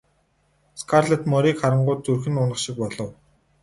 Скарлетт морийг харангуут зүрх нь унах шиг болов.